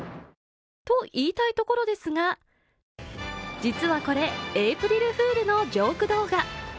といいたいところですが実はこれ、エイプリルフールのジョーク動画。